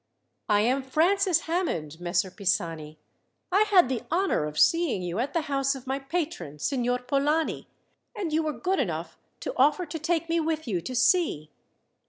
"I am Francis Hammond, Messer Pisani. I had the honour of seeing you at the house of my patron, Signor Polani, and you were good enough to offer to take me with you to sea."